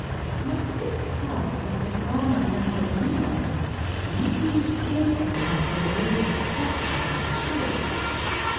How could they tell but that Grandma and Uncle Neal might be mistaken about their belief in stepmothers too?